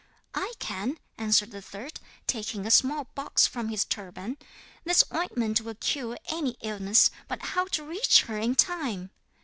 '"I can," answered the third, taking a small box from his turban; "this ointment will cure any illness. But how to reach her in time?"